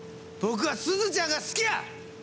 僕はすずちゃんが好きや！